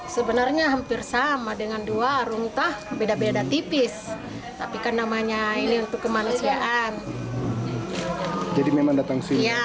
sebenarnya hampir sama dengan dua runtah beda beda tipis tapi kan namanya ini untuk kemanusiaan jadi memang datang